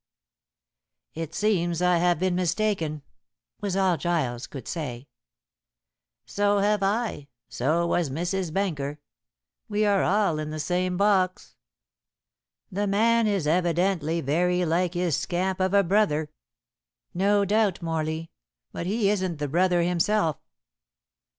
"It seems I have been mistaken," was all Giles could say. "So have I, so was Mrs. Benker. We are all in the same box. The man is evidently very like his scamp of a brother." "No doubt, Morley. But he isn't the brother himself."